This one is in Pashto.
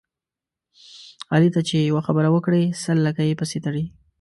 علي ته چې یوه خبره وکړې سل لکۍ پسې تړي.